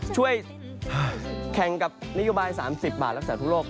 ช่วยแข่งกับนโยบาย๓๐บาทรักษาทุกโรค